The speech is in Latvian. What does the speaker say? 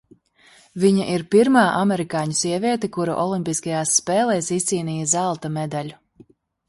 Viņa ir pirmā amerikāņu sieviete, kura olimpiskajās spēlēs izcīnīja zelta medaļu.